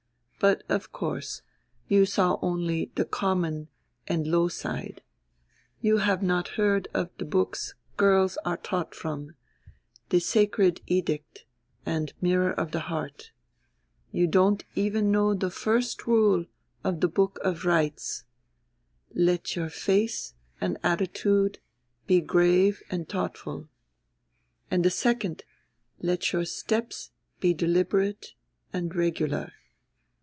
But, of course, you saw only the common and low side. You have not heard of the books girls are taught from 'The Sacred Edict' and 'Mirror of the Heart.' You don't know even the first rule of 'The Book of Rites,' 'Let your face and attitude be grave and thoughtful,' and the second, 'Let your steps be deliberate and regular.'"